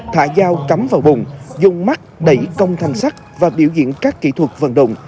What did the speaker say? thả dao cắm vào bụng dùng mắt đẩy công thanh sắt và biểu diễn các kỹ thuật vận động